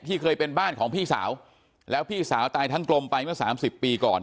เคยเป็นบ้านของพี่สาวแล้วพี่สาวตายทั้งกลมไปเมื่อสามสิบปีก่อน